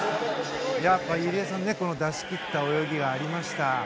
入江さん出しきった泳ぎがありました。